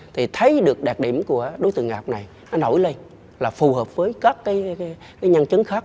thì thấy được đạt điểm của đối tượng ngọc này nó nổi lên là phù hợp với các cái nhân chứng khác